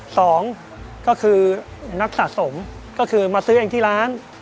สองก็คือนักสะสมก็คือมาซื้อเองที่ร้าน